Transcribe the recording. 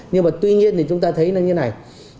nhưng mà tuy nhiên thì chúng ta thấy là như này